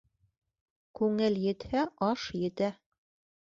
Күңел етһә, аш етә.